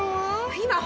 今。